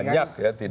banyak ya tidak semua